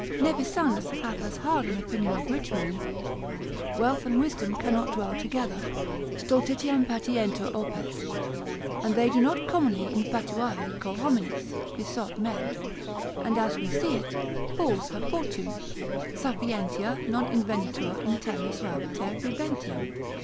Nevisanus hath as hard an opinion of rich men, wealth and wisdom cannot dwell together, stultitiam patiuntur opes, and they do commonly infatuare cor hominis, besot men; and as we see it, fools have fortune: Sapientia non invenitur in terra suaviter viventium.